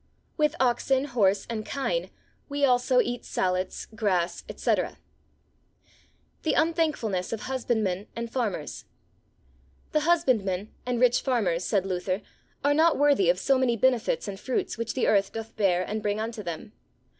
With oxen, horse, and kine, we also eat sallets, grass, etc. The Unthankfulness of Husbandmen and Farmers. The husbandmen and rich farmers, said Luther, are not worthy of so many benefits and fruits which the earth doth bear and bring unto them.